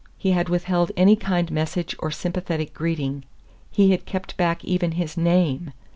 He had withheld any kind message or sympathetic greeting; he had kept back even his NAME.